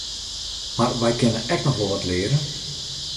Mar wy kinne ek noch wol wat leare.